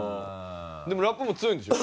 でもラップも強いんでしょ？